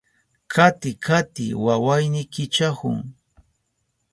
Kati kati wawayni kichahun.